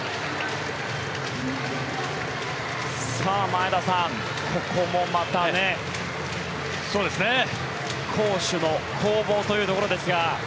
前田さん、ここもまた攻守の攻防というところですが。